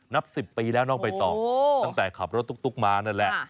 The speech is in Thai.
นับ๑๐ปีแล้วน้องใบตองตั้งแต่ขับรถตุ๊กมานั่นแหละ